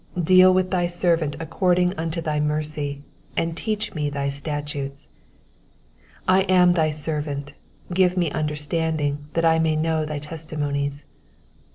124 Deal with thy servant according unto thy mercy, and teach me thy statutes. 125 I am thy servant ; give me understanding, that I may know thy testimonies.